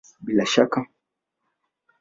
Bila ya shaka!